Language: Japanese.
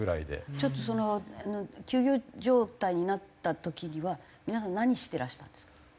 ちょっとその休業状態になった時には皆さん何してらしたんですか？